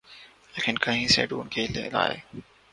لیکن کہیں سے ڈھونڈ کے لائے۔